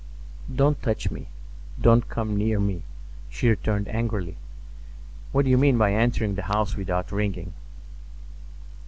"Don't touch me; don't come near me," she returned angrily. "What do you mean by entering the house without ringing?"